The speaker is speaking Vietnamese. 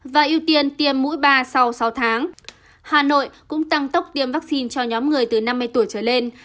ba sau sáu tháng hà nội cũng tăng tốc tiêm vaccine cho nhóm người từ năm mươi tuổi trở lên